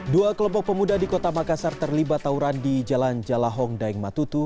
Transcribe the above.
dua kelompok pemuda di kota makassar terlibat tawuran di jalan jalahong daeng matutu